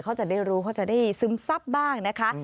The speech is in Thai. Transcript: เขาจะได้รู้เขาจะได้ซึมซับบ้างนะคะ